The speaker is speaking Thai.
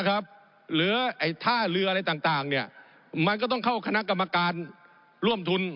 เหลือท่าเรืออะไรต่างมันก็ต้องเข้าคณะกรรมการร่วมทุน